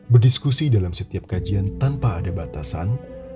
berdiskusi dalam setiap kajian tanpa ada batasan